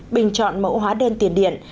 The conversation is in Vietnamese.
bình chọn mẫu hóa đơn tiền điện